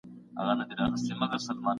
د انسان ژوند د ننګونو ډک دی.